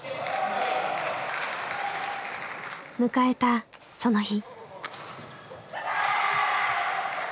迎えたその日。